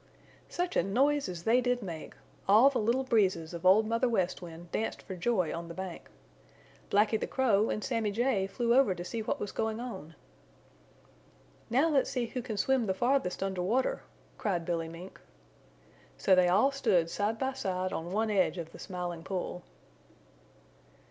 Such a noise as they did make! All the Little Breezes of Old Mother West Wind danced for joy on the bank. Blacky the Crow and Sammy Jay flew over to see what was going on. "Now let's see who can swim the farthest under water," cried Billy Mink. So they all stood side by side on one edge of the Smiling Pool.